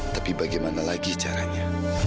tapi bagaimana lagi caranya